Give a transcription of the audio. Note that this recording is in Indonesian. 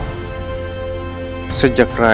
untuk melemahkan bidah